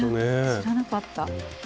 知らなかった。